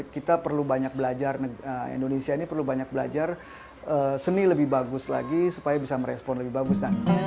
kita perlu banyak belajar indonesia ini perlu banyak belajar seni lebih bagus lagi supaya bisa merespon lebih bagus